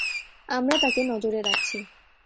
আমরা তাকে নজরে রাখছি।